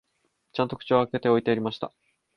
ちゃんと口を開けて置いてありました